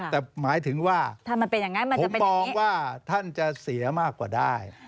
แต่หมายถึงว่าผมมองว่าท่านจะเสียมากกว่าได้